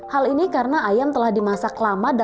hal ini karena ayam telah dimasak lama dalam santan iya